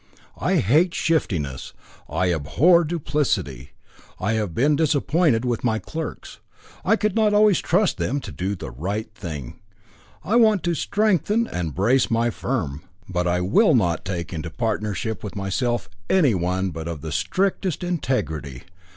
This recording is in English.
I hate shiftiness, I abhor duplicity. I have been disappointed with my clerks. I could not always trust them to do the right thing. I want to strengthen and brace my firm. But I will not take into partnership with myself any but one of the strictest integrity.